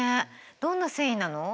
どんな繊維なの？